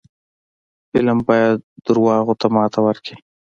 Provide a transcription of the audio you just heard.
فلم باید دروغو ته ماتې ورکړي